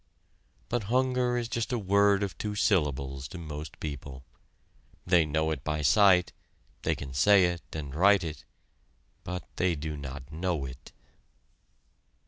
But hunger is just a word of two syllables to most people. They know it by sight, they can say it and write it, but they do not know it.